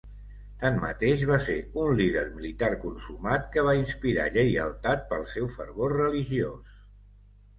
Tanmateix, va ser un líder militar consumat que va inspirar lleialtat pel seu fervor religiós.